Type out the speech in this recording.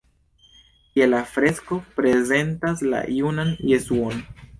Tie la fresko prezentas la junan Jesuon.